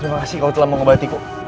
terima kasih kau telah mengobatiku